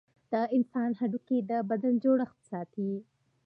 د انسان هډوکي د بدن جوړښت ساتي.